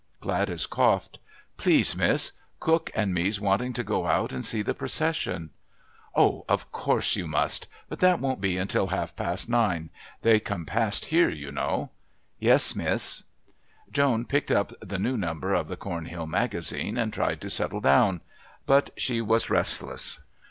Gladys coughed. "Please, miss, Cook and me's wanting to go out and see the Procession." "Oh, of course you must. But that won't be until half past nine. They come past here, you know." "Yes, miss." Joan picked up the new number of the Cornhill Magazine and tried to settle down. But she was restless.